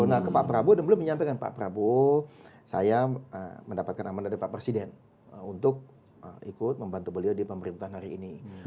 nah ke pak prabowo dan beliau menyampaikan pak prabowo saya mendapatkan aman dari pak presiden untuk ikut membantu beliau di pemerintahan hari ini